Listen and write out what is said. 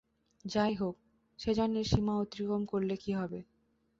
যাইহোক, সে জানে সীমা অতিক্রম করলে কী হবে।